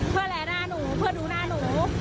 เพื่อแร้หนูเพื่อดูหนู